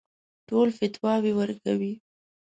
ټول فتواوې ورکوي.